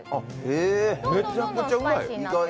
めちゃくちゃうまい。